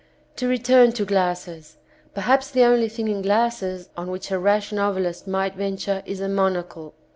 To return to glasses. Perhaps the only thing in glasses on which a rash novelist might venture is the monocle.